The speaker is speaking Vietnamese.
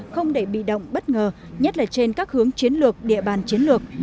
không để bị động bất ngờ nhất là trên các hướng chiến lược địa bàn chiến lược